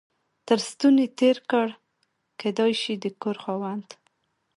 تر ستوني تېر کړ، کېدای شي د کور خاوند.